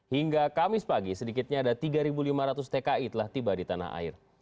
hingga kamis pagi sedikitnya ada tiga lima ratus tki telah tiba di tanah air